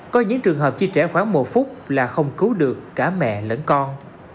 có những trường hợp chi trẻ khoảng một phút là không cứu được cả mẹ lẫn con